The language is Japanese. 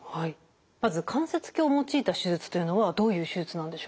まず関節鏡を用いた手術というのはどういう手術なんでしょうか？